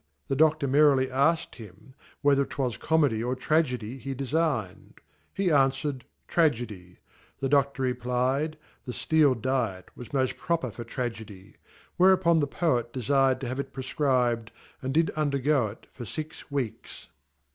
the Dr. merrily asked him Whether 'twas Comedy or Tragedy he defignedt he anfwered 9 Tragcdy ; the Dr. reply ed The Steel Diet was mofl proper for Tragedy ;. whereuponjhePoet de fired to have it prefcribed, and did undergo it for fix weeks.